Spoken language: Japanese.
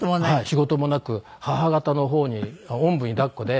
仕事もなく母方の方におんぶに抱っこで。